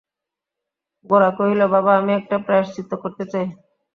গোরা কহিল, বাবা, আমি একটা প্রায়শ্চিত্ত করতে চাই।